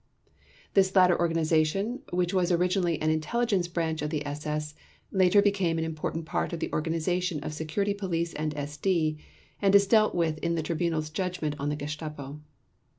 This latter organization, which was originally an intelligence branch of the SS, later became an important part of the organization of Security Police and SD and is dealt with in the Tribunal's Judgment on the Gestapo.